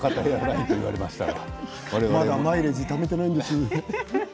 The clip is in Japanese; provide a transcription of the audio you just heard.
マイレージをためていないんです。